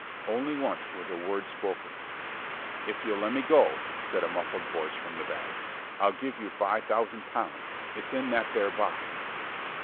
Only once was a word spoken. "If you'll lemme go," said a muffled voice from the bag, "I'll give you five thousand pounds it's in that there box."